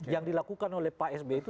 yang dilakukan oleh pak sby itu